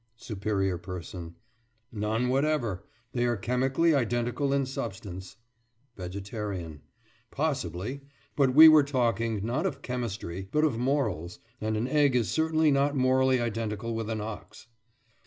SUPERIOR PERSON: None whatever. They are chemically identical in substance. VEGETARIAN: Possibly; but we were talking, not of chemistry, but of morals, and an egg is certainly not morally identical with an ox.